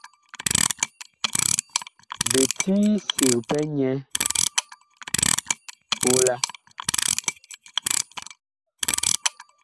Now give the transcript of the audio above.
Bi ti sig pɛ nyɛ pola.